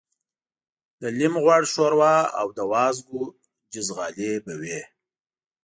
د لېم غوړ شوروا او د وازدو جیزغالي به وې.